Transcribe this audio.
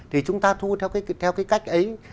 thì chúng ta thu theo cái cách ấy